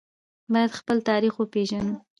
باید خپل تاریخ وپیژنو